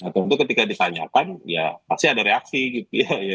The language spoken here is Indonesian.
tentu ketika ditanyakan ya pasti ada reaksi gitu ya